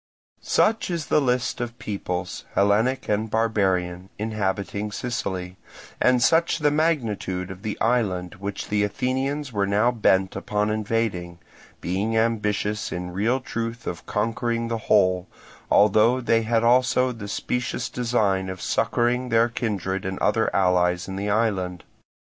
Such is the list of the peoples, Hellenic and barbarian, inhabiting Sicily, and such the magnitude of the island which the Athenians were now bent upon invading; being ambitious in real truth of conquering the whole, although they had also the specious design of succouring their kindred and other allies in the island.